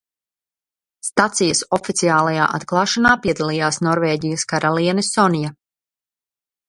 Stacijas oficiālajā atklāšanā piedalījās Norvēģijas karaliene Sonja.